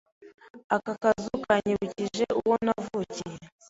Aka kazu karanyibukije uwo navukiye.